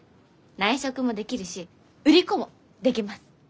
内職もできるし売り子もできます！